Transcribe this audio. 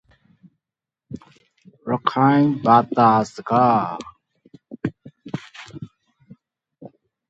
This chemical is used as an additive in cigarettes.